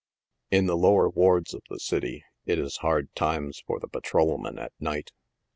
In the lower wards of the city it is hard times for the patrolman at night.